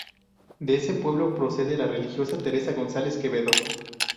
De este pueblo procede la religiosa Teresa González Quevedo.